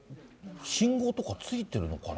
信号とかついてるのかな？